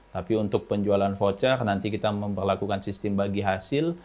tapi untuk penjualan voucher nanti kita memperlakukan sistem bagi hasil